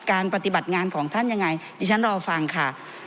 ปฏิบัติงานของท่านยังไงดิฉันรอฟังค่ะ